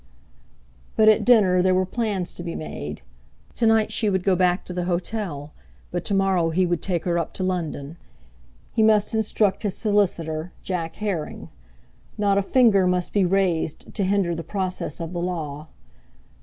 But at dinner there were plans to be made. To night she would go back to the hotel, but tomorrow he would take her up to London. He must instruct his solicitor—Jack Herring. Not a finger must be raised to hinder the process of the Law.